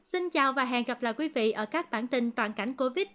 xin chào và hẹn gặp lại quý vị ở các bản tin toàn cảnh covid